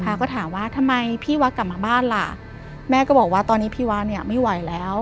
ก็ถามว่าทำไมพี่วัดกลับมาบ้านล่ะแม่ก็บอกว่าตอนนี้พี่วัดเนี่ยไม่ไหวแล้ว